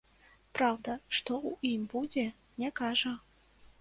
Праўда, што ў ім будзе, не кажа.